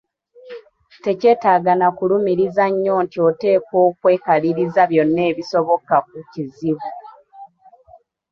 Tekyetaaga na kulumiriza nnyo nti oteekwa okwekaliriza byonna ebisoboka ku kizibu.